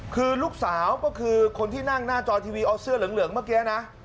คือลูกสาวก็คือคนที่นั่งหน้าจอทีวีเอาเสื้อเหลืองเมื่อกี้นะ